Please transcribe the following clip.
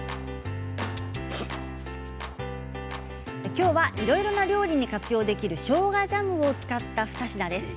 今日はいろいろな料理に活用できる、しょうがジャムを使った２品です。